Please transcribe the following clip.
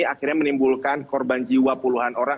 dan akhirnya hal ini juga menimbulkan korban jiwa puluhan orang